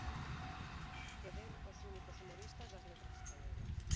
Que deu os únicos 'humoristas' das letras españolas.